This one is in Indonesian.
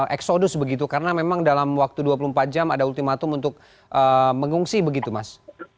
eksodus begitu karena memang dalam waktu dua puluh empat jam ada ultimatum untuk mengungsi begitu mas